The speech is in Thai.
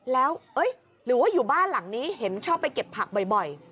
แล้วหรือว่าอยู่บ้านหลังนี้เห็นชอบไปเก็บผักบ่อย